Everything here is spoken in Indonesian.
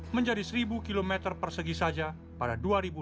menjadi seribu km persegi saja pada dua ribu enam belas